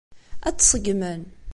Ad tt-ṣeggmen.